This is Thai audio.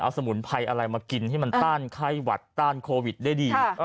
สมุนไพรอะไรมากินให้มันต้านไข้หวัดต้านโควิดได้ดี